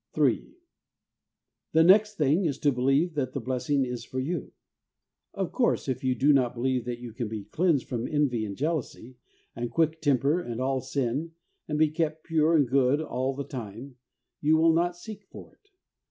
3. The next thing is to believe that the blessing is for you. Of course, if you do not believe that you can be cleansed from envy and jealousy, and quick temper and all sin, and be kept pure and good all the time, you will not seek for it.